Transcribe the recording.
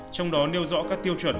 trong đó nêu rõ các tiêu chuẩn